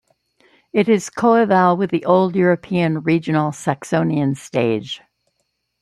It is coeval with the old European regional Saxonian stage.